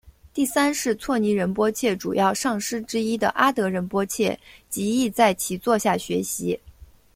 第三世措尼仁波切主要上师之一的阿德仁波切及亦在其座下学习。